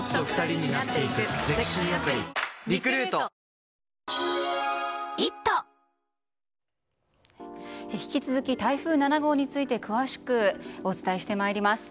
香りに驚くアサヒの「颯」引き続き台風７号について詳しくお伝えしてまいります。